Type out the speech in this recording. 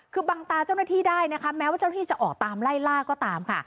คือบังตาเจ้าหน้าที่ได้นะคะแม้ว่าเจ้าหน้าที่จะออกตามไล่ล่าก็ตามค่ะ